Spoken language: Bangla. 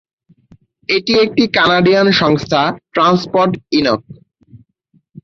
এটি একটি কানাডিয়ান সংস্থা, ট্রান্সপড ইনক।